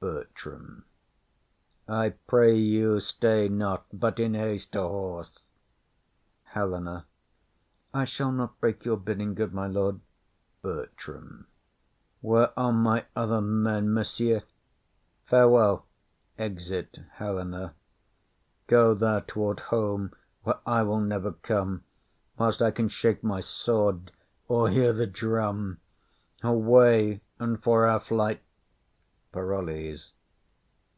BERTRAM. I pray you, stay not, but in haste to horse. HELENA. I shall not break your bidding, good my lord. Where are my other men, monsieur? Farewell, [Exit Helena.] BERTRAM. Go thou toward home, where I will never come Whilst I can shake my sword or hear the drum. Away, and for our flight. PAROLLES.